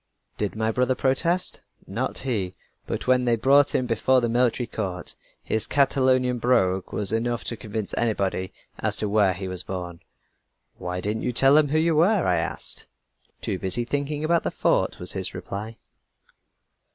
"Did my brother protest? Not he. But when they brought him before the military court, his Catalonian brogue was enough to convince anybody as to where he was born. "'Why didn't you tell them who you were?' I asked him. "'Too busy thinking about the fort,' was his reply."